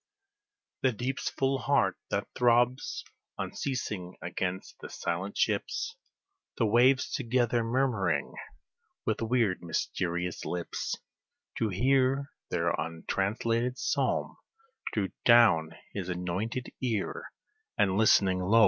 The deep's full heart that throbs unceasing against the silent ships, The waves together murmuring with weird, mysterious lips To hear their untranslated psalm, drew down his anointed ear, And listening, lo!